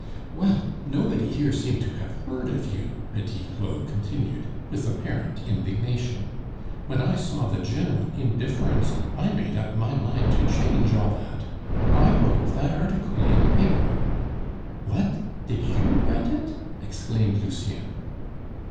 "Well, nobody here seemed to have heard of you!" Petit Claud continued, with apparent indignation. "When I saw the general indifference, I made up my mind to change all that. I wrote that article in the paper " "What? did you write it?" exclaimed Lucien.